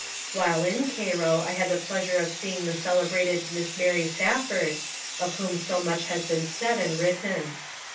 While in Cairo I had the pleasure of seeing the celebrated Miss Mary Safford, of whom so much has been said and written.